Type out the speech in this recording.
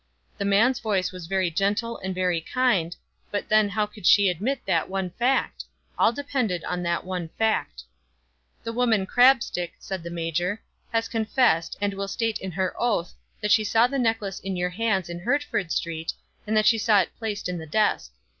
The man's voice was very gentle and very kind, but then how could she admit that one fact? All depended on that one fact. "The woman Crabstick," said the major, "has confessed, and will state on her oath that she saw the necklace in your hands in Hertford Street, and that she saw it placed in the desk.